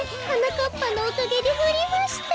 かっぱのおかげでふりました！